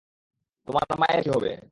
তোমার মায়ের কী হবে?